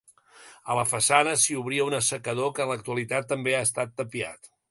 A la façana s'hi obria un assecador que en l'actualitat també ha estat tapiat.